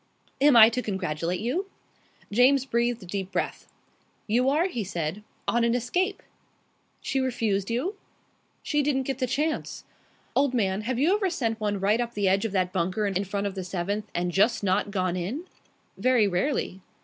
"Am I to congratulate you?" James breathed a deep breath. "You are!" he said. "On an escape!" "She refused you?" "She didn't get the chance. Old man, have you ever sent one right up the edge of that bunker in front of the seventh and just not gone in?" "Very rarely."